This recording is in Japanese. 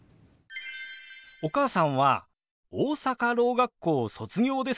お母さんは大阪ろう学校卒業ですか？